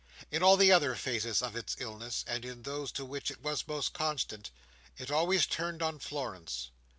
In all the other phases of its illness, and in those to which it was most constant, it always turned on Florence.